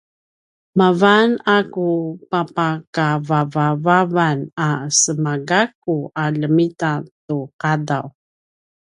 mavan a ku papakavavavan a semagakku a ljemita tu ’adav